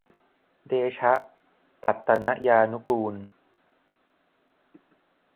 เดชะปัตตนยานุกูล